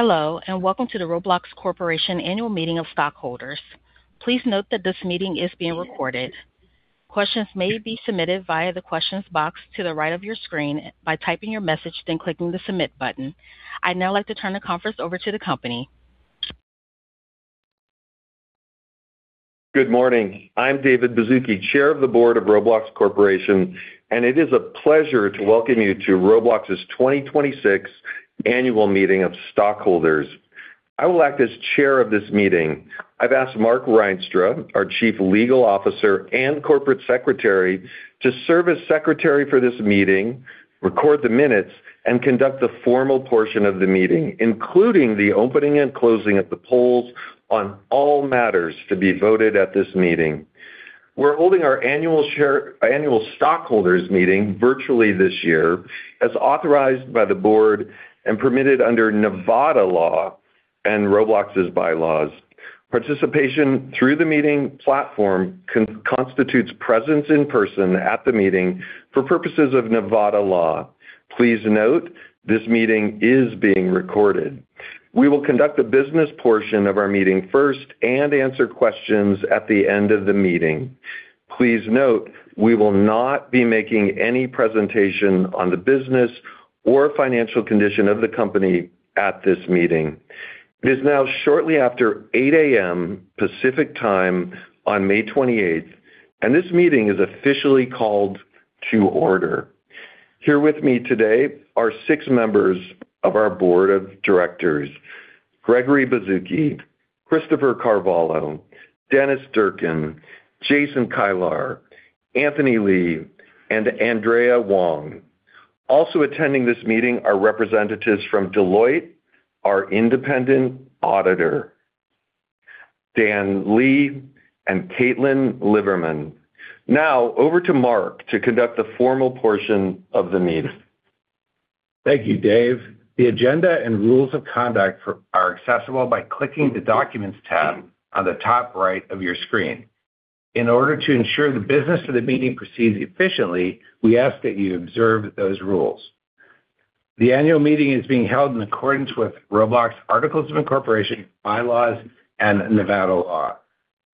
Hello. Welcome to the Roblox Corporation annual meeting of stockholders. Please note that this meeting is being recorded. Questions may be submitted via the questions box to the right of your screen by typing your message, then clicking the submit button. I'd now like to turn the conference over to the company. Good morning. I'm David Baszucki, Chair of the Board of Roblox Corporation, and it is a pleasure to welcome you to Roblox's 2026 Annual Meeting of Stockholders. I will act as chair of this meeting. I've asked Mark Reinstra, our Chief Legal Officer and Corporate Secretary, to serve as secretary for this meeting, record the minutes, and conduct the formal portion of the meeting, including the opening and closing of the polls on all matters to be voted at this meeting. We're holding our annual stockholders meeting virtually this year, as authorized by the board and permitted under Nevada law and Roblox's bylaws. Participation through the meeting platform constitutes presence in person at the meeting for purposes of Nevada law. Please note, this meeting is being recorded. We will conduct the business portion of our meeting first and answer questions at the end of the meeting. Please note, we will not be making any presentation on the business or financial condition of the company at this meeting. It is now shortly after 8:00 A.M. Pacific Time on May 28th, and this meeting is officially called to order. Here with me today are six members of our board of directors, Gregory Baszucki, Christopher Carvalho, Dennis Durkin, Jason Kilar, Anthony Lee, and Andrea Wong. Also attending this meeting are representatives from Deloitte, our independent auditor, Dan Lee and Caitlin Lieberman. Now over to Mark to conduct the formal portion of the meeting. Thank you, Dave. The agenda and rules of conduct are accessible by clicking the Documents tab on the top right of your screen. In order to ensure the business of the meeting proceeds efficiently, we ask that you observe those rules. The annual meeting is being held in accordance with Roblox articles of incorporation, bylaws, and Nevada law.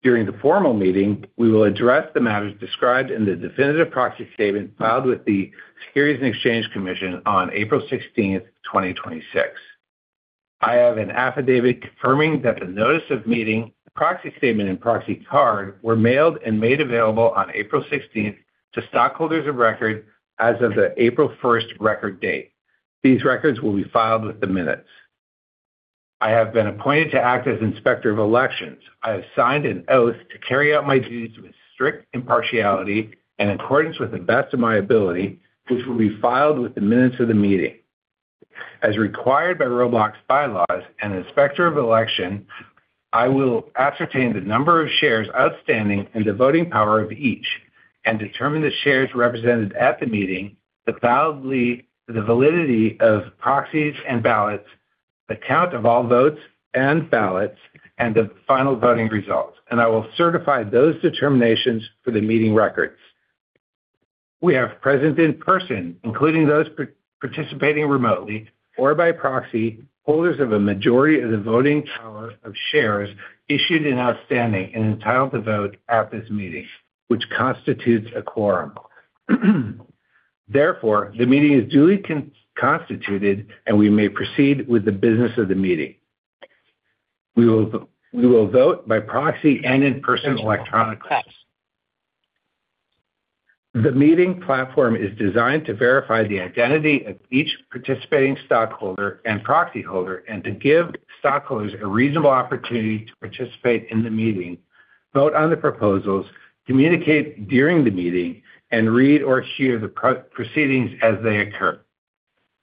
During the formal meeting, we will address the matters described in the definitive proxy statement filed with the Securities and Exchange Commission on April 16th, 2026. I have an affidavit confirming that the notice of meeting, the proxy statement, and proxy card were mailed and made available on April 16th to stockholders of record as of the April 1st record date. These records will be filed with the minutes. I have been appointed to act as Inspector of Elections. I have signed an oath to carry out my duties with strict impartiality and accordance with the best of my ability, which will be filed with the minutes of the meeting. As required by Roblox bylaws and Inspector of Election, I will ascertain the number of shares outstanding and the voting power of each, and determine the shares represented at the meeting, the validity of proxies and ballots, the count of all votes and ballots, and the final voting results, and I will certify those determinations for the meeting records. We have present in person, including those participating remotely or by proxy, holders of a majority of the voting power of shares issued and outstanding and entitled to vote at this meeting, which constitutes a quorum. The meeting is duly constituted and we may proceed with the business of the meeting. We will vote by proxy and in person electronically. The meeting platform is designed to verify the identity of each participating stockholder and proxy holder and to give stockholders a reasonable opportunity to participate in the meeting, vote on the proposals, communicate during the meeting, and read or hear the proceedings as they occur.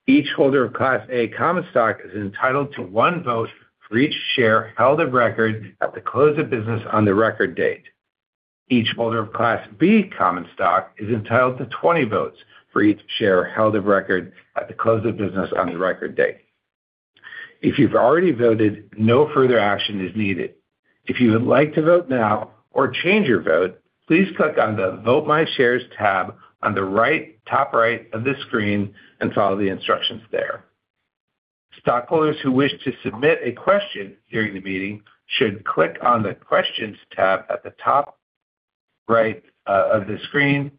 Each holder of Class A common stock is entitled to one vote for each share held of record at the close of business on the record date. Each holder of Class B common stock is entitled to 20 votes for each share held of record at the close of business on the record date. If you've already voted, no further action is needed. If you would like to vote now or change your vote, please click on the Vote My Shares tab on the top right of the screen and follow the instructions there. Stockholders who wish to submit a question during the meeting should click on the Questions tab at the top right of the screen,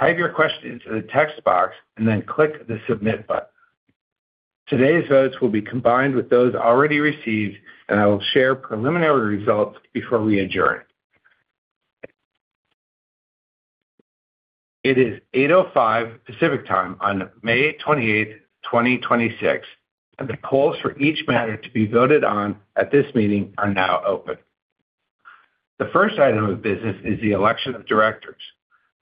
type your question into the text box, and then click the Submit button. Today's votes will be combined with those already received, and I will share preliminary results before we adjourn. It is 8:05 Pacific Time on May 28th, 2026, and the polls for each matter to be voted on at this meeting are now open. The first item of business is the election of directors.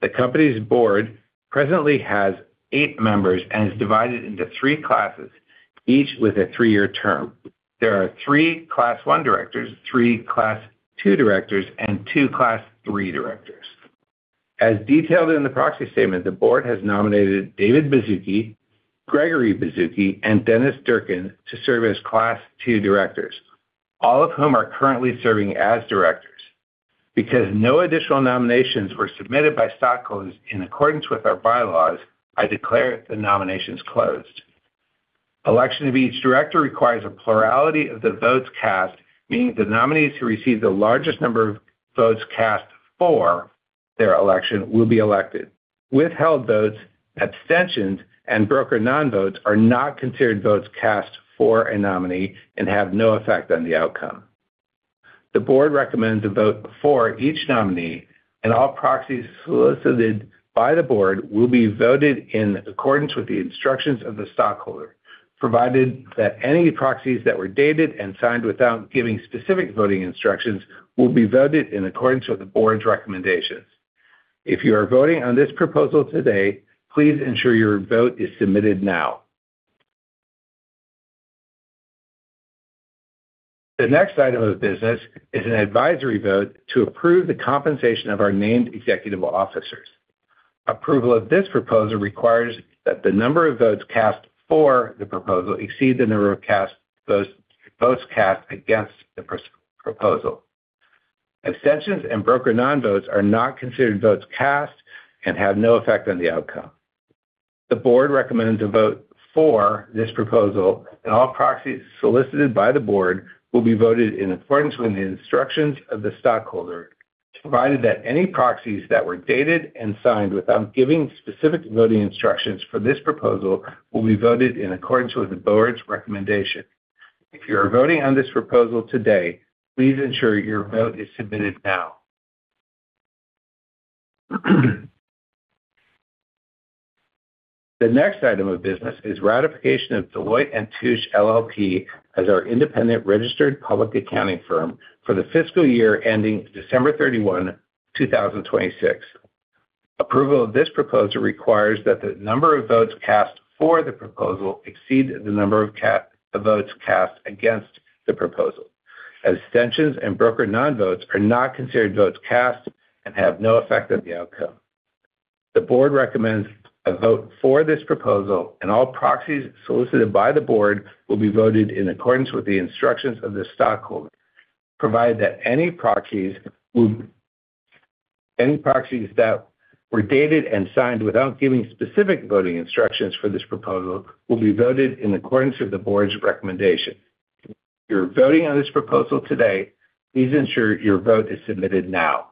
The company's board presently has eight members and is divided into three classes, each with a three-year term. There are three Class I directors, three Class II directors, and two Class III directors. As detailed in the proxy statement, the board has nominated David Baszucki, Gregory Baszucki, and Dennis Durkin to serve as Class II directors, all of whom are currently serving as directors. Because no additional nominations were submitted by stockholders in accordance with our bylaws, I declare the nominations closed. Election of each director requires a plurality of the votes cast, meaning the nominees who receive the largest number of votes cast for their election will be elected. Withheld votes, abstentions, and broker non-votes are not considered votes cast for a nominee and have no effect on the outcome. The board recommends a vote for each nominee, and all proxies solicited by the board will be voted in accordance with the instructions of the stockholder, provided that any proxies that were dated and signed without giving specific voting instructions will be voted in accordance with the board's recommendations. If you are voting on this proposal today, please ensure your vote is submitted now. The next item of business is an advisory vote to approve the compensation of our named executive officers. Approval of this proposal requires that the number of votes cast for the proposal exceed the number of votes cast against the proposal. Abstentions and broker non-votes are not considered votes cast and have no effect on the outcome. The board recommends a vote for this proposal. All proxies solicited by the board will be voted in accordance with the instructions of the stockholder, provided that any proxies that were dated and signed without giving specific voting instructions for this proposal will be voted in accordance with the board's recommendation. If you are voting on this proposal today, please ensure your vote is submitted now. The next item of business is ratification of Deloitte & Touche LLP as our independent registered public accounting firm for the fiscal year ending December 31st, 2026. Approval of this proposal requires that the number of votes cast for the proposal exceed the number of votes cast against the proposal, as abstentions and broker non-votes are not considered votes cast and have no effect on the outcome. The board recommends a vote for this proposal, and all proxies solicited by the board will be voted in accordance with the instructions of the stockholder, provided that any proxies that were dated and signed without giving specific voting instructions for this proposal will be voted in accordance with the board's recommendation. If you're voting on this proposal today, please ensure your vote is submitted now.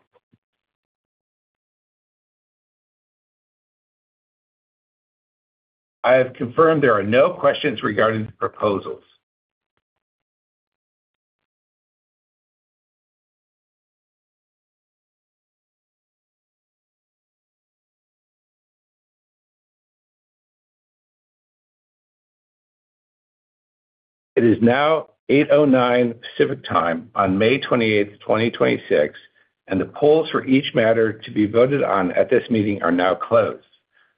I have confirmed there are no questions regarding the proposals. It is now 8:09 A.M. Pacific time on May 28th, 2026, and the polls for each matter to be voted on at this meeting are now closed.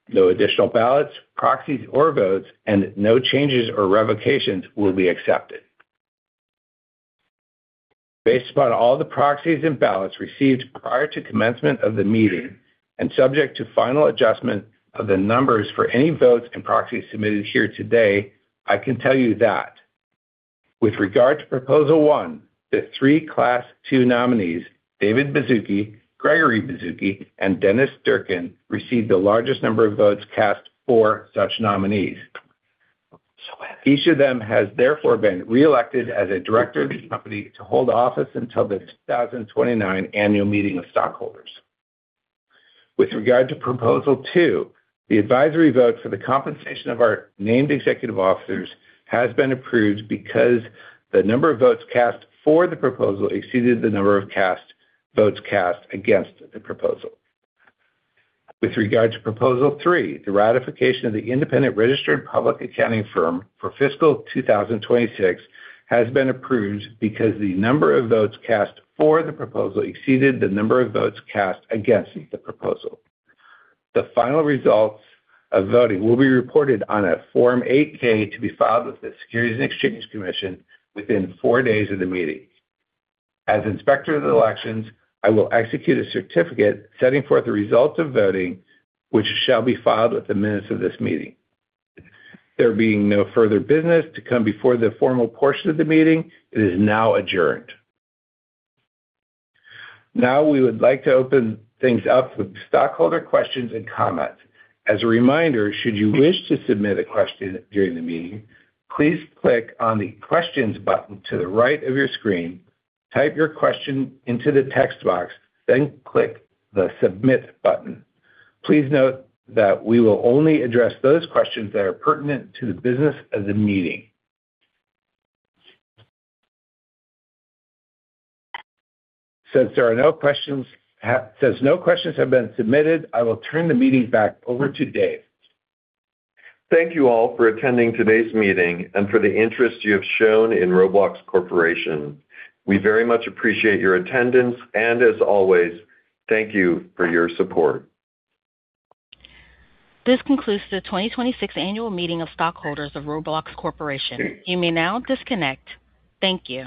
No additional ballots, proxies, or votes, and no changes or revocations will be accepted. Based upon all the proxies and ballots received prior to commencement of the meeting, and subject to final adjustment of the numbers for any votes and proxies submitted here today, I can tell you that with regard to Proposal 1, the 3 Class II nominees, David Baszucki, Gregory Baszucki, and Dennis Durkin, received the largest number of votes cast for such nominees. Each of them has therefore been reelected as a director of the company to hold office until the 2029 Annual Meeting of Stockholders. With regard to Proposal 2, the advisory vote for the compensation of our named executive officers has been approved because the number of votes cast for the proposal exceeded the number of votes cast against the proposal. With regard to Proposal 3, the ratification of the independent registered public accounting firm for fiscal 2026 has been approved because the number of votes cast for the proposal exceeded the number of votes cast against the proposal. The final results of voting will be reported on a Form 8-K to be filed with the Securities and Exchange Commission within four days of the meeting. As Inspector of the Elections, I will execute a certificate setting forth the results of voting, which shall be filed with the minutes of this meeting. There being no further business to come before the formal portion of the meeting, it is now adjourned. Now, we would like to open things up to stockholder questions and comments. As a reminder, should you wish to submit a question during the meeting, please click on the Questions button to the right of your screen, type your question into the text box, then click the Submit button. Please note that we will only address those questions that are pertinent to the business of the meeting. Since no questions have been submitted, I will turn the meeting back over to David Baszucki. Thank you all for attending today's meeting and for the interest you have shown in Roblox Corporation. We very much appreciate your attendance, and as always, thank you for your support. This concludes the 2026 Annual Meeting of Stockholders of Roblox Corporation. You may now disconnect. Thank you.